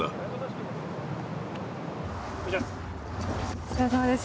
お疲れさまです。